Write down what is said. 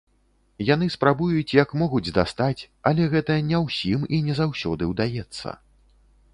Яны спрабуюць як могуць дастаць, але гэта не ўсім і не заўсёды ўдаецца.